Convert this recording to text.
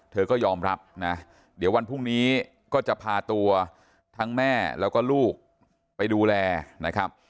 เธอก็ยอมรับนะเดี๋ยววันพรุ่งนี้ก็จะพาตัวทั้งแม่แล้วก็ลูกไปดูแลนะครับ